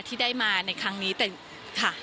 ที่ได้มาในครั้งนี้ค่ะ